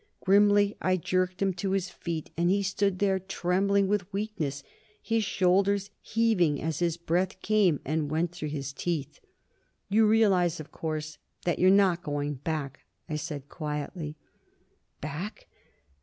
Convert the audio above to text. Grimly, I jerked him to his feet, and he stood there trembling with weakness, his shoulders heaving as his breath came and went between his teeth. "You realize, of course, that you're not going back?" I said quietly. "Back?"